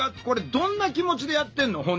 これどんな気持ちでやってんの？